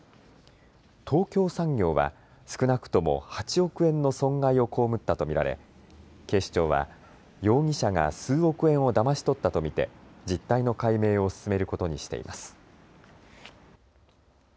東京産業は少なくとも８億円の損害を被ったと見られ警視庁は容疑者が数億円をだまし取ったと見て実態の解明を進めることにしています。